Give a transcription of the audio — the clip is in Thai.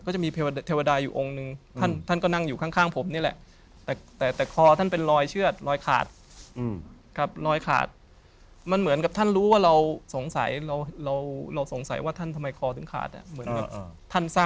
จะมาขออยู่ด้วยเสร็จผมก็เราก็โอเคนะ